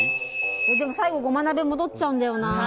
でも、最後胡麻鍋に戻っちゃうんだよな。